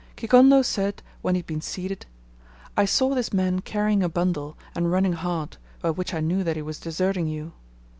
Kigondo said, when he had been seated, "I saw this man carrying a bundle, and running hard, by which I knew that he was deserting you.